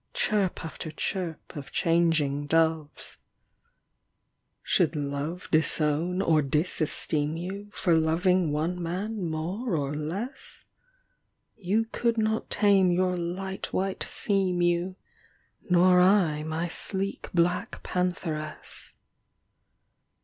Chirp after chirp of changing doves. 34 AT A MONTH'S END Should Love disown or disesteem you For loving one man more or less? You could not tame your light white sea mew, Nor I my sleek black pantheress.